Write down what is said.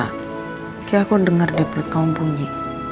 kayaknya aku denger deh pelit kamu bunyi